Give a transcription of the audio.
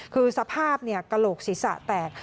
คือสภาพเนี่ยกระโหลกศิษย์สะแตก